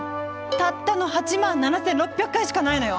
たったの８７，６００回しかないのよ。